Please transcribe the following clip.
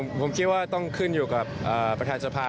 ผมคิดว่าต้องขึ้นอยู่กับประธานสภา